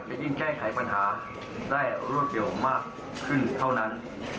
ยิ่งแก้ไขปัญหาได้รวดเร็วมากขึ้นเท่านั้น